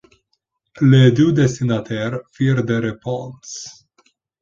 Les deux destinataires firent des réponses.